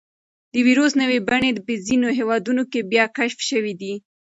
د وېروس نوې بڼې په ځینو هېوادونو کې بیا کشف شوي دي.